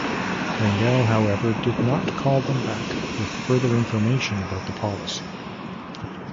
Lengel, however, did not call them back with further information about the policy.